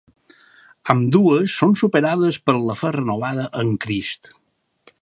Ambdues són superades per la fe renovada en Crist.